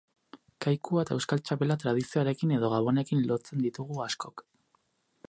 Kaikua eta euskal txapela tradizioarekin edo gabonekin lotzen ditugu askok.